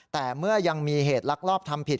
แต่เมื่อยังมีเหตุลักลอบทำผิด